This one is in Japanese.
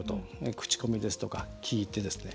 口コミですとか聞いてですね。